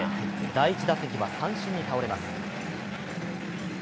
第１打席は三振に倒れます。